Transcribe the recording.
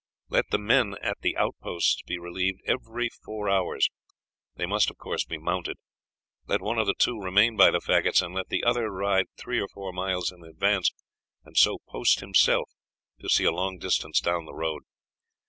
Let the men at the outposts be relieved every four hours. They must, of course, be mounted. Let one of the two remain by the faggots, and let the other ride three or four miles in advance, and so post himself as to see a long distance down the road.